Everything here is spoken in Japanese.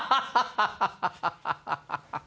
・ハハハハハハハ！